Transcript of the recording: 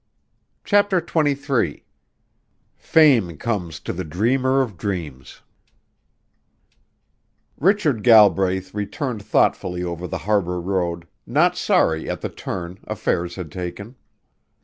CHAPTER XXIII FAME COMES TO THE DREAMER OF DREAMS Richard Galbraith returned thoughtfully over the Harbor Road not sorry at the turn affairs had taken.